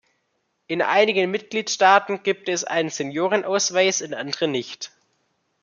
In einigen Mitgliedstaaten gibt es einen Seniorenausweis, in anderen nicht.